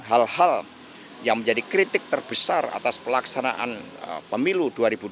hal hal yang menjadi kritik terbesar atas pelaksanaan pemilu dua ribu dua puluh